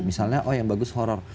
misalnya yang bagus horror